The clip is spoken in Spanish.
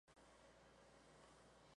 Tras su retirada está afincado en Pamplona.